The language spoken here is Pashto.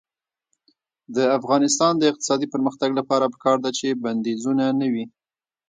د افغانستان د اقتصادي پرمختګ لپاره پکار ده چې بندیزونه نه وي.